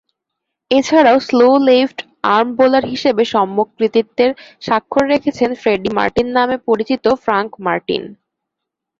এছাড়াও, slow left arm bowler হিসেবে সম্যক কৃতিত্বের স্বাক্ষর রেখেছেন ফ্রেডি মার্টিন নামে পরিচিত ফ্রাঙ্ক মার্টিন।